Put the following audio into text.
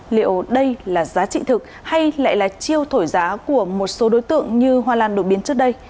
liệu đây là giá trị thực hay lại là chiêu thổi giá của một số đối tượng như hoa lan đột biến trước đây